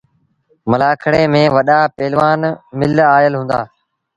ملآکڙي ميݩ وڏآ پهلوآن مله آئيٚل هُݩدآ۔